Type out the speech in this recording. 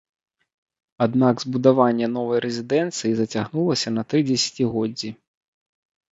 Аднак збудаванне новай рэзідэнцыі зацягнулася на тры дзесяцігоддзі.